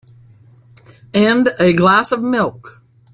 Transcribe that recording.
And a glass of milk.